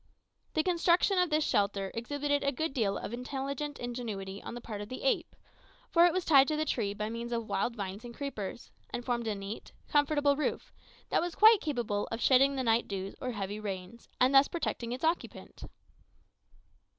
The construction of this shelter exhibited a good deal of intelligent ingenuity on the part of the ape; for it was tied to the tree by means of wild vines and creepers, and formed a neat, comfortable roof, that was quite capable of shedding the night dews or heavy rains, and thus protecting its occupant.